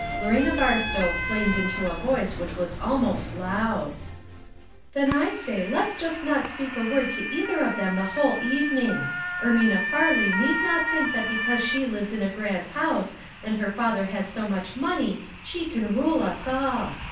Lorena Barstow flamed into a voice which was almost loud. " Then I say let's just not speak a word to either of them the whole even ing. Ermina Farley need not think that be cause she lives in a grand house, and her father has so much money, she can rule us all.